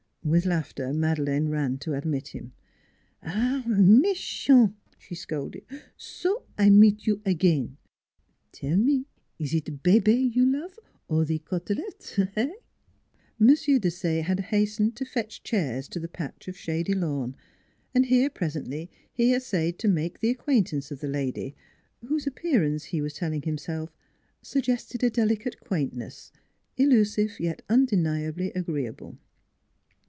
With laughter Madeleine ran to admit him. " Ah, mechant," she scolded, " so I meet you again! Tell me, is it bebe you love, or the cotellette eh? " M. Desaye had hastened to fetch chairs to the patch of shady lawn, and here presently he es sayed to make the acquaintance of the lady, whose appearance (he was telling himself) suggested a delicate quaintness, illusive yet undeniably agreeable.